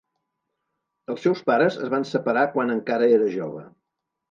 Els seus pares es van separar quan encara era jove.